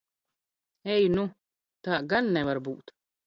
Ej nu! Tā gan nevar būt!